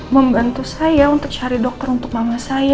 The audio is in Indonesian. membantu saya untuk cari dokter untuk mama saya